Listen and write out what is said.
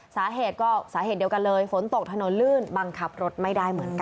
สาเหตุเดียวกันเลยฝนตกถนนลื่นบังคับรถไม่ได้เหมือนกันค่ะ